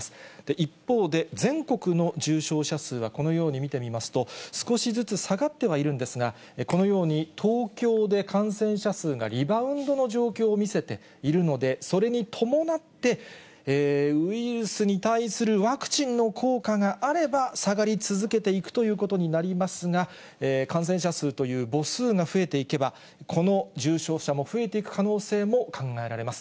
一方で、全国の重症者数はこのように見てみますと、少しずつ下がってはいるんですが、このように東京で感染者数がリバウンドの状況を見せているので、それに伴って、ウイルスに対するワクチンの効果があれば、下がり続けていくということになりますが、感染者数という母数が増えていけば、この重症者も増えていく可能性も考えられます。